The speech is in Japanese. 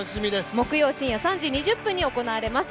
木曜深夜３時２０分に行われます。